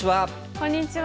こんにちは。